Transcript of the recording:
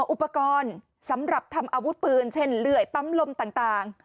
อุปกรณ์สำหรับทำอาวุธปืนเช่นเหลื่อยปั๊มลมต่าง